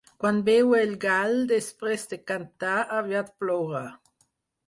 Quan beu el gall després de cantar, aviat plourà.